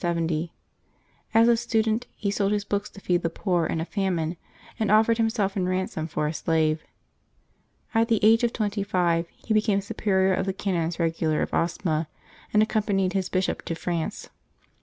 As a stu dent, he sold his books to feed the poor in a famine, and offered himself in ransom for a slave. At the age of twenty five he became superior of the Canons Regular of Osma, and accompanied his Bishop to France.